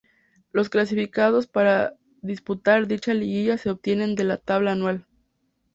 Los clasificados para disputar dicha Liguilla se obtienen de la "Tabla Anual".